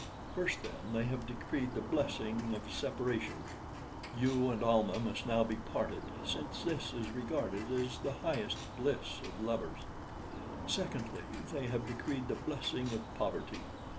"First, then, they have decreed the blessing of separation. You and Almah must now be parted, since this is regarded as the highest bliss of lovers. "Secondly, they have decreed the blessing of poverty.